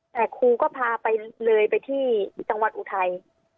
แต่ครูก็พาไปเลยไปที่จังหวัดอุทัย